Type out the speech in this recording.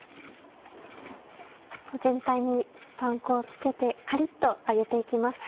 全体にパン粉を付けてカリっと揚げて行きます。